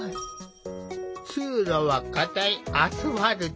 通路はかたいアスファルト。